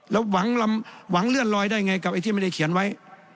แล้วหวังเลื่อนลอยได้ไงกับไอ้ที่ไม่ได้เขียนไว้